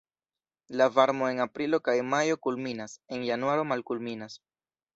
La varmo en aprilo kaj majo kulminas, en januaro malkulminas.